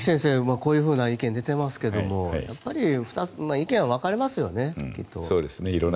こういう意見が出ていますけどやっぱり意見は分かれますよねきっと。